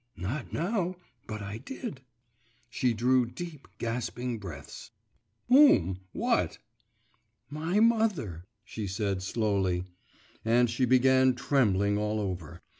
'Not now, but I did.' She drew deep, gasping breaths. 'Whom? what?' 'My mother,' she said slowly, and she began trembling all over.